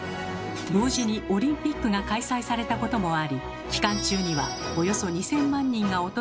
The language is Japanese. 同時にオリンピックが開催されたこともあり期間中にはおよそ２，０００万人が訪れたといいます。